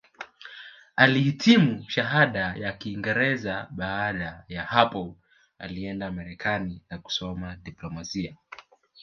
Alihitimu Shahada ya Kingereza Baada ya hapo alienda Marekani na kusomea diplomasia